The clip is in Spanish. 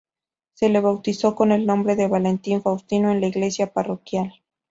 Se le bautizó con el nombre de Valentín Faustino en la iglesia parroquial.